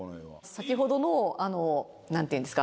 先ほどの何ていうんですか